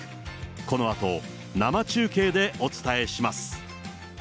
このあと生中継でお伝えします。